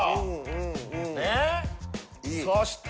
そして。